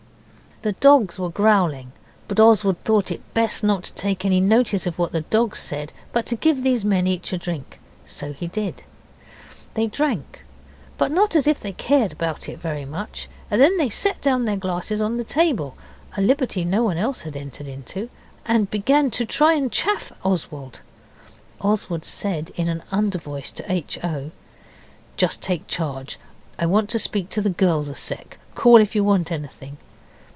The dogs were growling, but Oswald thought it best not to take any notice of what the dogs said, but to give these men each a drink. So he did. They drank, but not as if they cared about it very much, and then they set their glasses down on the table, a liberty no one else had entered into, and began to try and chaff Oswald. Oswald said in an undervoice to H. O. 'Just take charge. I want to speak to the girls a sec. Call if you want anything.